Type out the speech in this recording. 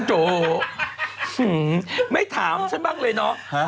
โจไม่ถามฉันบ้างเลยเนาะ